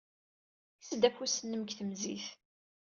Kkes-d afus-nnem seg temzit.